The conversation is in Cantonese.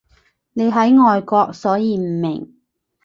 你喺外國所以唔明